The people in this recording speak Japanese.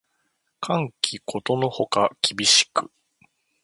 寒気ことのほか厳しく